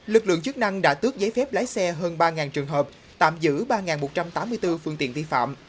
lực lượng chức năng đã tước giấy phép lái xe hơn ba trường hợp tạm giữ ba một trăm tám mươi bốn phương tiện vi phạm